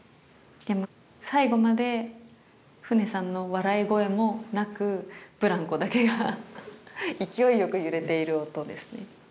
最後までフネさんの笑い声もなくブランコだけが勢いよく揺れている音ですね。